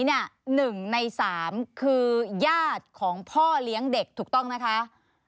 หนึ่งในสามคือญาติของพ่อเลี้ยงเด็กถูกต้องนะคะ